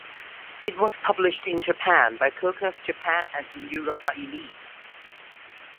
It was published in Japan by Coconuts Japan and in Europe by Elite.